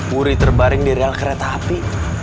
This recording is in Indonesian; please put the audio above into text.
wuri terbaring di rel kereta api